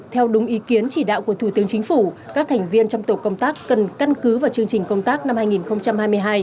theo đúng ý kiến chỉ đạo của thủ tướng chính phủ các thành viên trong tổ công tác cần căn cứ vào chương trình công tác năm hai nghìn hai mươi hai